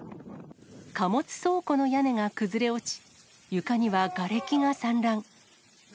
貨物倉庫の屋根が崩れ落ち、床にはがれきが散乱。